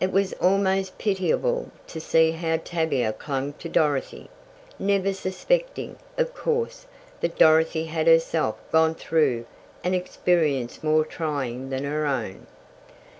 It was almost pitiable to see how Tavia clung to Dorothy, never suspecting, of course, that Dorothy had herself gone through an experience more trying than her own.